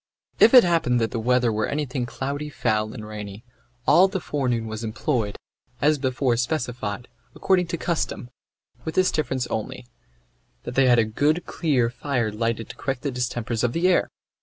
If it happened that the weather were anything cloudy, foul, and rainy, all the forenoon was employed, as before specified, according to custom, with this difference only, that they had a good clear fire lighted to correct the distempers of the air.